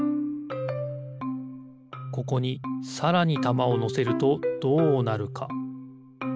ここにさらにたまをのせるとどうなるか？